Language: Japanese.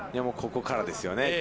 ここからですよね。